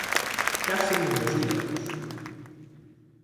Case monosílabos.